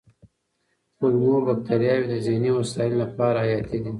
کولمو بکتریاوې د ذهني هوساینې لپاره حیاتي دي.